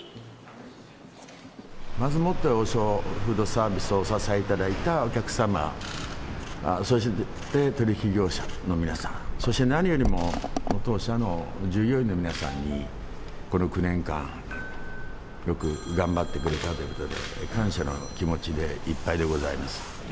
まずもって、王将フードサービスをお支えいただいたお客様、そして取り引き業者の皆さん、そして何よりも当社の従業員の皆さんに、この９年間、よく頑張ってくれたということで、感謝の気持ちでいっぱいでございます。